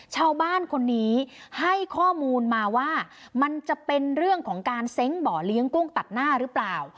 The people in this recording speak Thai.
ชาวบ้านคนนี้ให้ข้อมูลมาว่ามันจะเป็นเรื่องของการเซ้งบ่อเลี้ยงกุ้งตัดหน้าหรือเปล่า